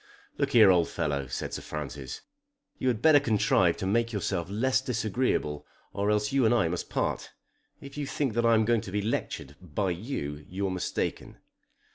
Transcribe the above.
"Look here, old fellow," said Sir Francis. "You had better contrive to make yourself less disagreeable or else you and I must part. If you think that I am going to be lectured by you, you're mistaken."